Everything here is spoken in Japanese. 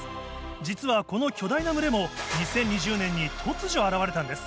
実はこの巨大な群れも２０２０年に突如現れたんです。